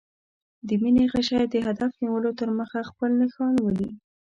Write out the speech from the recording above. د مینې غشی د هدف نیولو تر مخه خپل نښان ولي.